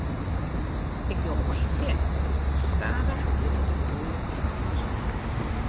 Ik doch wat ik kin en stadich giet it de goede kant út.